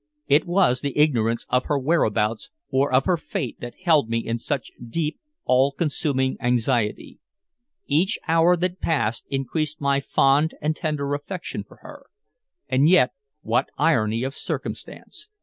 It was the ignorance of her whereabouts or of her fate that held me in such deep, all consuming anxiety. Each hour that passed increased my fond and tender affection for her. And yet what irony of circumstance!